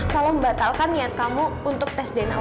kalau membatalkan niat kamu untuk tes denaula